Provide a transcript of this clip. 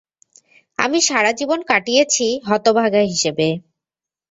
আমি সারা জীবন কাটিয়েছি হতভাগা হিসেবে।